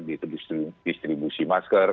di distribusi masker